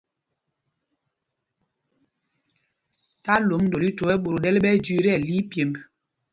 Tí alwomb ndol ithwɔɔ, ɓot o ɗɛl ɓɛ ɛjüü tí ɛli ipyemb.